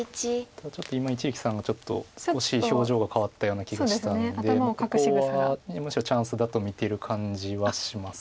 ただちょっと今一力さんが少し表情が変わったような気がしたのでここはむしろチャンスだと見てる感じはします。